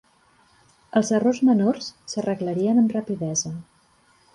Els errors menors s'arreglarien amb rapidesa.